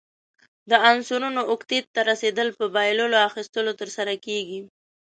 د عنصرونو اوکتیت ته رسیدل په بایللو، اخیستلو ترسره کیږي.